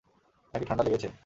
নাকি ঠান্ডা লেগেছে?